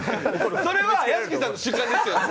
「それは屋敷さんの主観ですよね？」。